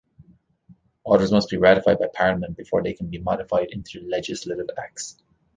Orders must be ratified by Parliament before they can be modified into legislative Acts.